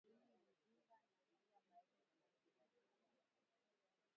Ini huvimba na kuwa laini kwa mnyama aliyekufa